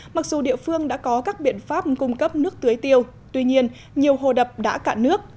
mặc dù địa phương đã có các biện pháp cung cấp nước tưới tiêu tuy nhiên nhiều hồ đập đã cạn nước